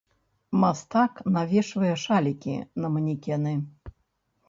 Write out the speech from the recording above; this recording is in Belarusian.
Мастак навешвае шалікі на манекены.